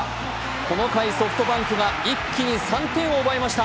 この回、ソフトバンクが一気に３点を奪いました。